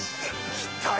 来たよ。